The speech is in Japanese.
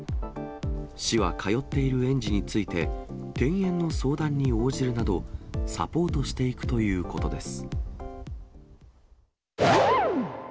市は通っている園児について、転園の相談に応じるなど、サポートしていくということです。